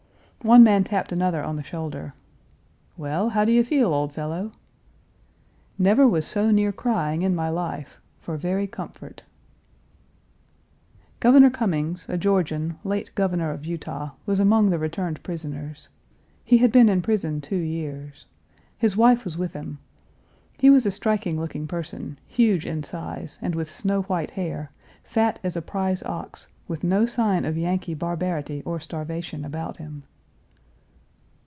One man tapped another on the shoulder: "Well, how do you feel, old fellow?" "Never was so near crying in my life for very comfort." Governor Cummings, a Georgian, late Governor of Utah, was among the returned prisoners. He had been in prison two years. His wife was with him. He was a striking looking person, huge in size, and with snow white hair, fat as a prize ox, with no sign of Yankee barbarity or starvation about him.